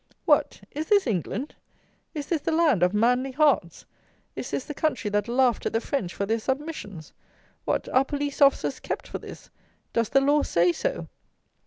What! is this England! Is this the land of "manly hearts?" Is this the country that laughed at the French for their submissions? What! are police officers kept for this? Does the law say so?